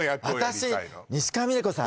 支川峰子さん